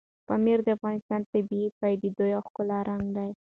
پامیر د افغانستان د طبیعي پدیدو یو ښکلی رنګ دی.